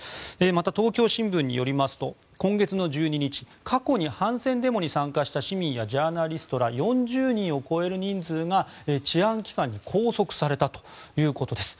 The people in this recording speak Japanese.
また、東京新聞によりますと今月の１２日過去に反戦デモに参加した市民やジャーナリストら４０人を超える人数が治安機関に拘束されたということです。